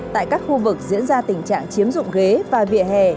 tại các khu vực diễn ra tình trạng chiếm dụng ghế và vỉa hè